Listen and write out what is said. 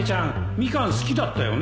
ミカン好きだったよね